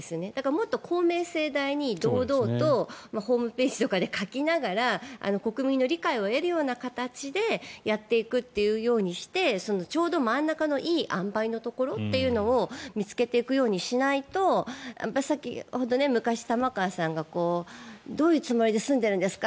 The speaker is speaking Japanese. もっと公明正大に堂々とホームページとかに書きながら国民の理解を得る形でやっていくというようにしてちょうど真ん中のいい塩梅のところというのを見つけていくようにしないと先ほど、昔、玉川さんがどういうつもりで住んでいるんですか？